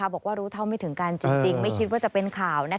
บอกว่ารู้เท่าไม่ถึงกันจริงไม่คิดว่าจะเป็นข่าว